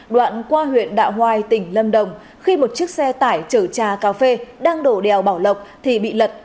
đoạn qua huyện đạo hoài tỉnh lâm đồng khi một chiếc xe tải chở trà cà phê đang đổ đèo bảo lộc thì bị lật